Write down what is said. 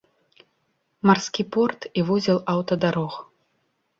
Марскі порт і вузел аўтадарог.